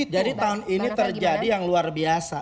jadi tahun ini terjadi yang luar biasa